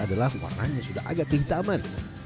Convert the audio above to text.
adalah warnanya sudah agak berhitaman